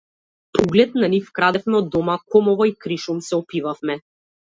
По углед на нив крадевме од дома комова и кришум се опивавме.